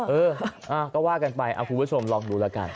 เออก็ว่ากันไปคุณผู้ชมลองดูแล้วกัน